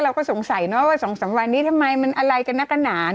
เราก็สงสัยว่า๒๓วันนี้ทำไมมันอะไรกันหนักหนา